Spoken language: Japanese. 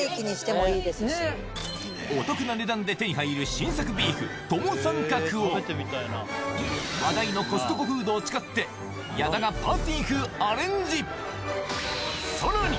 お得な値段で手に入る新作ビーフ、友三角を、話題のコストコフードを使って、矢田がパーティー風アレンジ。